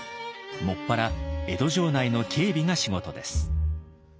専ら江戸城内の警備が仕事です。